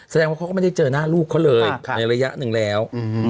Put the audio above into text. แสดงว่าเขาก็ไม่ได้เจอหน้าลูกเขาเลยในระยะหนึ่งแล้ว